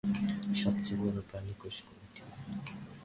সবচেয়ে বড় প্রাণিকোষ কোনটি?